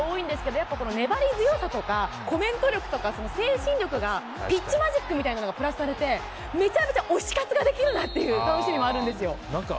やっぱり粘り強さとかコメント力とか精神力がピッチマジックみたいなのがプラスされてめちゃめちゃ推し活できる楽しみもあるんです。